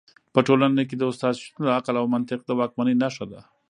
په ټولنه کي د استاد شتون د عقل او منطق د واکمنۍ نښه ده.